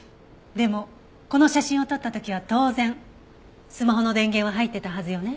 でもこの写真を撮った時は当然スマホの電源は入ってたはずよね？